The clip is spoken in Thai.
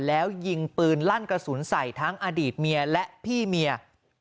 แล้วยิงปืนลั่นกระสุนใส่ทั้งอดีตเมียและพี่เมีย